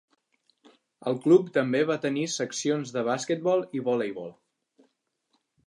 El club també va tenir seccions de basquetbol i voleibol.